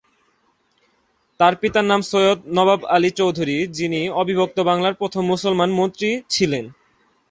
তার পিতার নাম সৈয়দ নওয়াব আলী চৌধুরী যিনি অবিভক্ত বাংলার প্রথম মুসলমান মন্ত্রী ছিলেন।